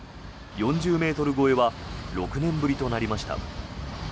４０ｍ超えは６年ぶりとなりました。